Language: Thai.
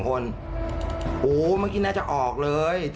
โอ้โหเมื่อกี้น่าจะออกเลย